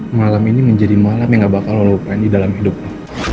malam ini menjadi malam yang gak bakal lo lupain di dalam hidup lo